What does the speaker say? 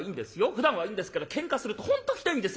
ふだんはいいんですけどけんかすると本当ひどいんですよ